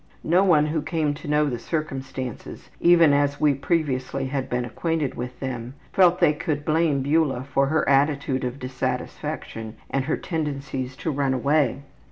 No one who came to know the circumstances, even as we previously had been acquainted with them, felt they could blame Beula much for her attitude of dissatisfaction and her tendencies to run away.